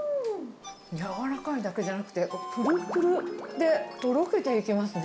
柔らかいだけじゃなくて、ぷるぷるでとろけていきますね。